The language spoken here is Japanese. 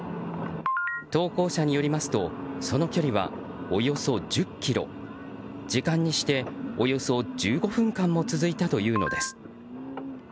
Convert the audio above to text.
投稿者によりますとその距離は、およそ１０ｋｍ時間にして、およそ１５分間も続いたというのです。